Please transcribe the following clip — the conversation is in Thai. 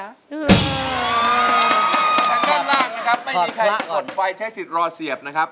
ไม่มีใครกดไฟใช้สิทธิ์รอเสียบนะครับ